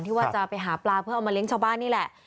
ว่าจะไปหาปลาเพื่อเอามาเลี้ยงชาวบ้านนี่แหละ